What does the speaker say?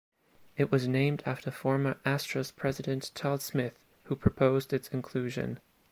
It was named after former Astros President Tal Smith who proposed its inclusion.